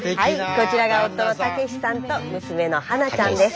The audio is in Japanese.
こちらが夫の健志さんと娘の花菜ちゃんです。